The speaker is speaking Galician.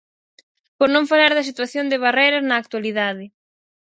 Por non falar da situación de Barreras na actualidade.